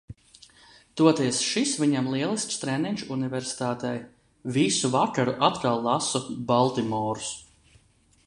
Toties šis viņam lielisks treniņš universitātei. Visu vakaru atkal lasu "Baltimorus".